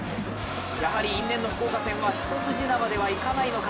やはり因縁の福岡戦は一筋縄ではいかないのか。